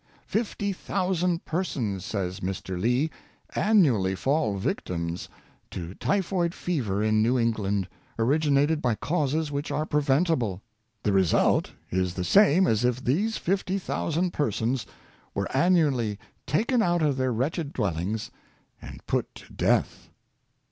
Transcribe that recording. Fifty thousand persons, says Mr. Lee, annually fall victims to t3'phoid fever in New England, originated by causes which are preventable. The result is the same as if these fifty thousand persons were annually taken out of their wretched dwellings and put to death!